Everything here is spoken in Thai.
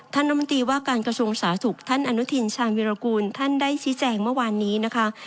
ท่านนมติว่าการกระทรวงสาธุท่านอนุทินชาญวิรกูลท่านได้สิจังเมื่อวานนี้นะคะ